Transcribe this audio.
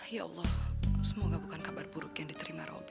ya allah semoga bukan kabar buruk yang diterima roby